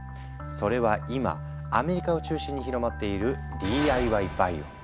それは今アメリカを中心に広まっている「ＤＩＹバイオ」。